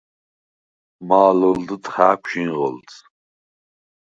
მა̄ლჷლდდ ხა̄̈ქუ̂ ჟინღჷლდს: